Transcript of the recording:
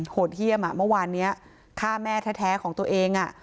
โหดเฮี่ยมอ่ะเมื่อวานนี้ฆ่าแม่แท้แท้ของตัวเองอ่ะ